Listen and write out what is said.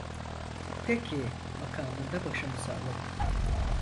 Peki makamında başımı salladım.